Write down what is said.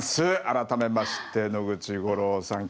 改めまして野口五郎さん。